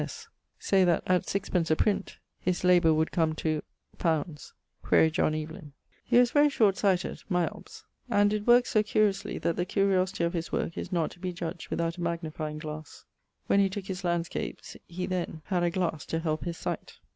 S.S., say that at sixpence a print his labour would come to ... li. (quaere J E). He was very short sighted (μυοψ), and did worke so curiously that the curiosity of his worke is not to be judged without a magnifying glasse. When he tooke his landskaps, he, then, had a glasse to helpe his sight.